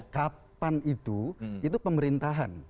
kapan itu itu pemerintahan